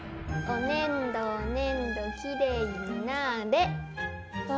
おねんどおねんどきれいになれ。